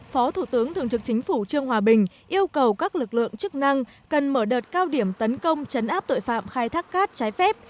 phó thủ tướng thường trực chính phủ trương hòa bình yêu cầu các lực lượng chức năng cần mở đợt cao điểm tấn công chấn áp tội phạm khai thác cát trái phép